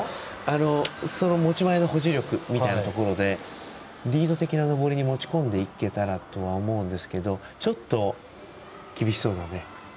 持ち前の保持力みたいなところでリード的な登りに持ち込んでいけたらとは思うんですけれどもちょっと厳しそうだね。